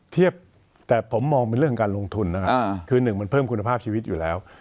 เทียบแต่ผมมองเป็นเรื่องการลงทุนนะครับคือหนึ่งมันเพิ่มคุณภาพชีวิตอยู่แล้ว